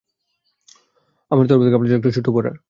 আমার তরফ থেকে আপনার জন্য ছোট একটা উপহার।